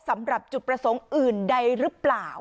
สำหรับจุดประสงค์อื่นใดหรือเปล่า